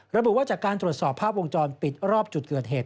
ระบุว่าจากการตรวจสอบภาพวงจรปิดรอบจุดเกิดเหตุ